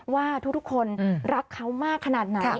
ว่าทุกคนรักเขามากขนาดไหน